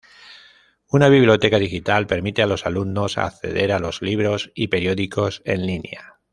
Una biblioteca digital permite a los alumnos acceder a libros y periódicos en línea.